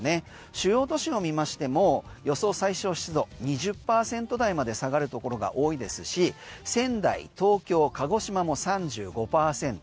主要都市を見ましても予想最小湿度２０％台まで下がるところが多いですし仙台、東京、鹿児島も３５％。